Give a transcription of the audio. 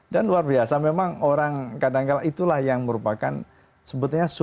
dan luar biasa memang orang kadang kadang itulah yang merupakan sebetulnya suluhnya